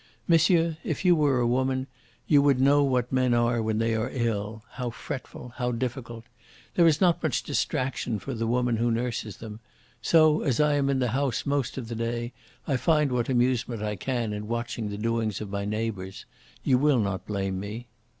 Monsieur, if you were a woman, you would know what men are when they are ill how fretful, how difficult. There is not much distraction for the woman who nurses them. So, as I am in the house most of the day, I find what amusement I can in watching the doings of my neighbours. You will not blame me.